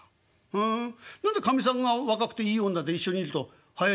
「ふん何でかみさんが若くていい女で一緒にいると早死にすんの？」。